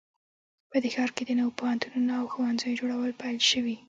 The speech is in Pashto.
په دې ښار کې د نوو پوهنتونونو او ښوونځیو جوړول پیل شوي